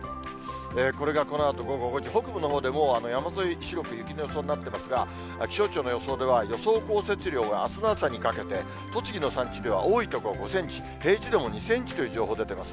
これがこのあと午後５時、北部のほうで、もう山沿い、白く雪の予想になっていますが、気象庁の予想では、予想降雪量があすの朝にかけて、栃木の山地では多い所５センチ、平地でも２センチという情報出てます。